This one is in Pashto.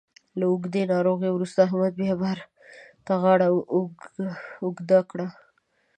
له اوږدې ناروغۍ وروسته احمد بیا بار ته غاړه اوږده کړه.